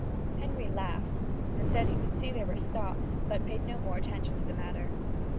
Henry laughed and said he would see that they were stopped, but paid no more attention to the matter.